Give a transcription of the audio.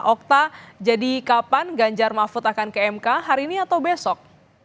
okta jadi kapan ganjar mahfud akan ke mk hari ini atau besok